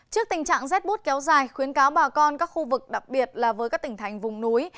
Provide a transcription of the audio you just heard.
trước tình trạng rét bút kéo dài khuyến cáo bà con các khu vực đặc biệt là với các tỉnh thành vùng núi